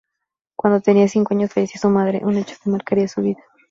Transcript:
Cuando tenía cinco años falleció su madre, un hecho que marcaría su vida.